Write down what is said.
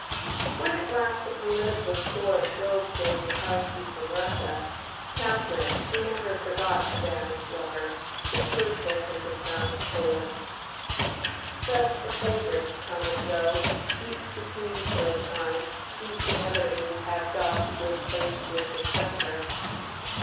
When at last a political storm drove Poniatowski from Russia, Catherine, who never forgot a banished lover, secured for him the crown of Poland. Thus the favourites come and go, each supreme for a time, each inevitably packed off to give place to a successor.